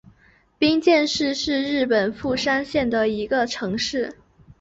冰见市是日本富山县的一个城市。